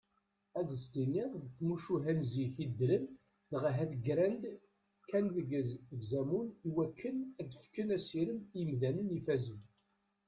Ad s-tiniḍ deg tmucuha n zik i ddren neɣ ahat ggran-d kan d azamul iwakken ad ffken asirem i yimdanen ifazen.